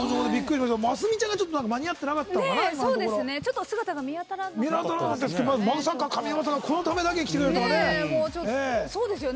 ますみちゃんがちょっと間に合ってなかったのかな、姿が見当たらなかったですが上沼さんがこのためだけに出てくれるとはね。